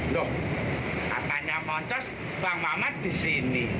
loh katanya moncos bang mamat disini